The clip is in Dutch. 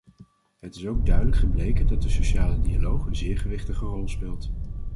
Het is ook duidelijk gebleken dat de sociale dialoog een zeer gewichtige rol speelt.